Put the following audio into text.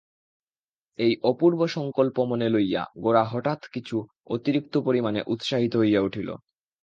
এই অপূর্ব সংকল্প মনে লইয়া গোরা হঠাৎ কিছু অতিরিক্ত পরিমাণে উৎসাহিত হইয়া উঠিল।